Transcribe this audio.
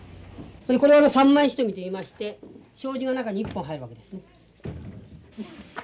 これ３枚蔀といいまして障子の中に一本入るわけですね。